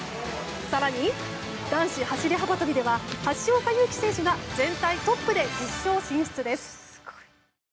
更に、男子走り幅跳びでは橋岡優輝選手が全体トップで決勝進出です。